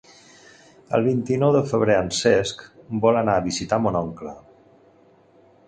El vint-i-nou de febrer en Cesc vol anar a visitar mon oncle.